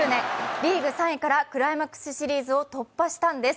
リーグ３位からクライマックスシリーズを突破したんです。